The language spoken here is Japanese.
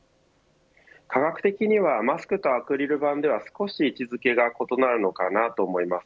科学的にはマスクとアクリル板では少し位置付けが異なるのかなと思います。